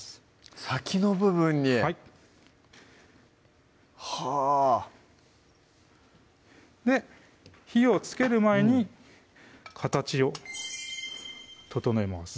先の部分にはいはぁ火をつける前に形を整えます